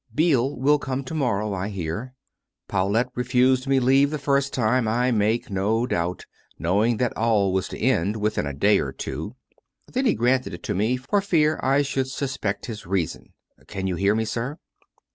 ... Beale will come to morrow, I hear. ... Paulet refused me leave the first time, I make no doubt, knowing that all was to end within a day or two: then he COME RACK! COME ROPE! 345 granted it me, for fear I should suspect his reason. (Can you hear me, sir?)"